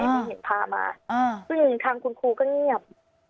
ที่เห็นพามาซึ่งทางคุณครูก็เงียบ